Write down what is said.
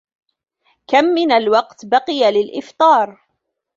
كم من الوقت بقي للإفطار؟